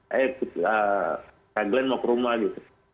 hey kak glenn mau ke rumah gitu